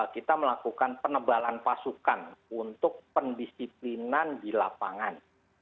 kita melakukan penebalan pasukan untuk pendisiplinan di lapangan